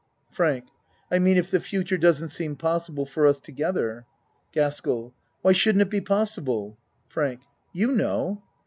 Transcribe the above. FRANK I mean if the future doesn't seem possi ble for us together. GASKELL Why shouldn't it be possible? FRANK You know.